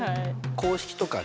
公式とかね